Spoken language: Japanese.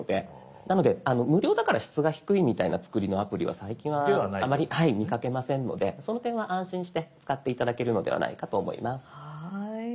なので無料だから質が低いみたいな作りのアプリは最近はあまり見かけませんのでその点は安心して使って頂けるのではないかと思います。